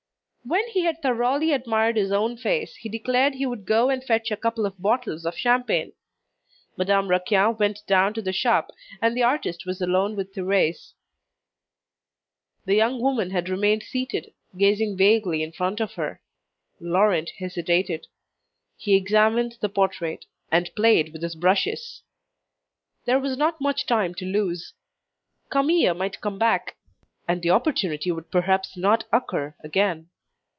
When he had thoroughly admired his own face, he declared he would go and fetch a couple of bottles of champagne. Madame Raquin went down to the shop, and the artist was alone with Thérèse. The young woman had remained seated, gazing vaguely in front of her. Laurent hesitated. He examined the portrait, and played with his brushes. There was not much time to lose. Camille might come back, and the opportunity would perhaps not occur again.